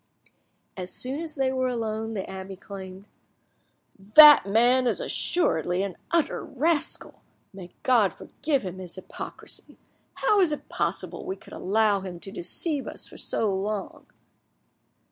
As soon as they were alone, the abbe exclaimed— "That man is assuredly an utter rascal! May God forgive him his hypocrisy! How is it possible we could allow him to deceive us for so long?"